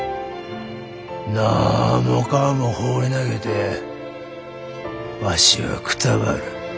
なんもかんも放り投げてわしはくたばる。